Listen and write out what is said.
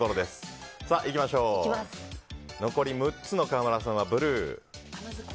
残り６つの川村さんはブルー。